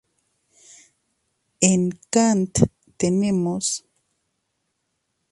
En Kant tenemos.